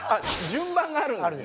順番があるんですね。